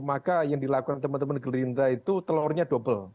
maka yang dilakukan teman teman gerindra itu telurnya double